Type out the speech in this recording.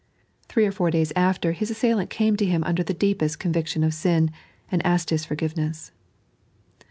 Three or four days after his assail&nt came to him under the deepest conviction of sin, and asked his for givenese.